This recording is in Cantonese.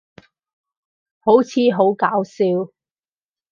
好似好搞笑